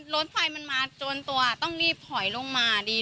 รถไฟมันมาจนตัวต้องรีบถอยลงมาดี